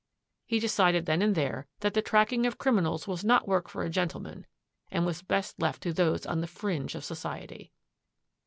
He decided then and there that the tracking of criminals was not work for a gentleman and was best left to those on the fringe of society.